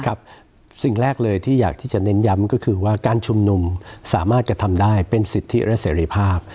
สิ่งแรกเลยที่อยากที่จะเน้นย้ำก็คือว่าการชุมนุมสามารถกระทำได้เป็นสิทธิและเสรีภาพ